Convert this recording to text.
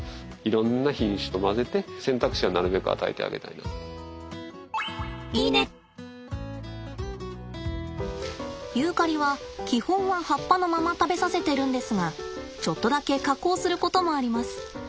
野生の動物ですからユーカリは基本は葉っぱのまま食べさせてるんですがちょっとだけ加工することもあります。